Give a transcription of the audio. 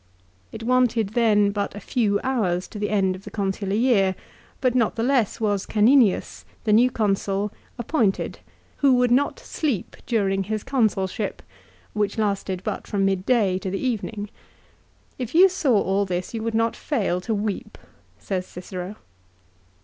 It wanted then but a few hours to the end of the Consular year, but not the less was Caninius, the new Consul, appointed, " who would not sleep during his Consulship," which lasted but from midday to the evening. " If you saw all this you would not fail to weep," says Cicero